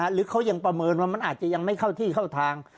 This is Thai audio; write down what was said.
หรือเขายังประเมินว่ามันอาจจะยังไม่เข้าที่เข้าทาง